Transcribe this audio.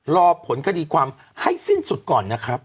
รอผลคดีความให้สิ้นสุดก่อนนะครับ